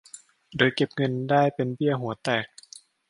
หรือเก็บเงินได้เป็นเบี้ยหัวแตก